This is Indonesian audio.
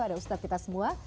ada ustadz kita semua